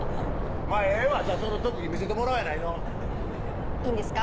まぁええわその特技見せてもらおうやないのいいんですか？